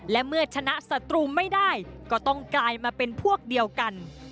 และเมื่อชนะศัตรูไม่ได้ก็ต้องกลายมาเป็นพวกเดียวกัน